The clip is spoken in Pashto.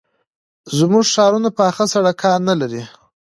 زموږ ښارونه پاخه سړکان نه لري.